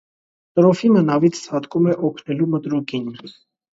Տրոֆիմը նավից ցատկում է օգնելու մտրուկին։